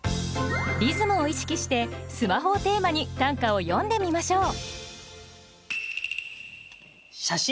リズムを意識して「スマホ」をテーマに短歌を詠んでみましょう。